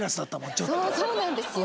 そうなんですよ。